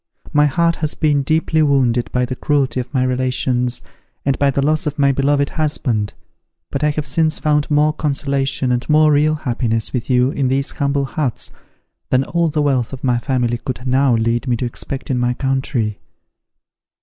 My heart has been deeply wounded by the cruelty of my relations, and by the loss of my beloved husband. But I have since found more consolation and more real happiness with you in these humble huts, than all the wealth of my family could now lead me to expect in my country."